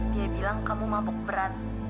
dia bilang kamu mabuk berat